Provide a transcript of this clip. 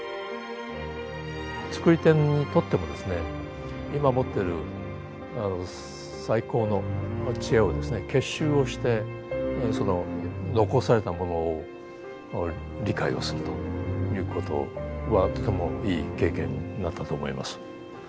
つくり手にとってもですね今持ってる最高の知恵をですね結集をしてその残されたものを理解をするということはとてもいい経験になったと思います。